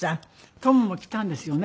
トムも来たんですよね。